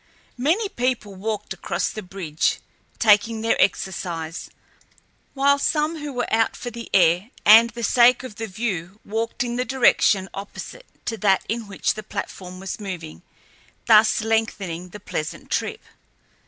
Many people walked across the bridge, taking their exercise, while some who were out for the air and the sake of the view walked in the direction opposite to that in which the platform was moving, thus lengthening the pleasant trip.